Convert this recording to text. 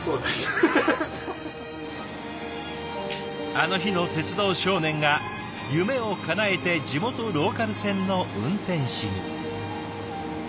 あの日の鉄道少年が夢をかなえて地元ローカル線の運転士に。